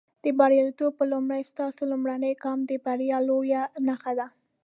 د برياليتوب په لورې، ستاسو لومړنی ګام د بریا لویه نښه ده.